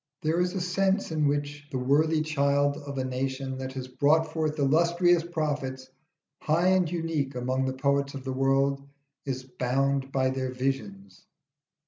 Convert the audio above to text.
There is a sense in which the worthy child of a nation that has brought forth illustrious prophets, high and unique among the poets of the world, is bound by their visions.